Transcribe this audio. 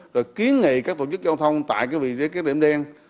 rồi kiến nghị các tổ chức giao thông tại cái điểm đen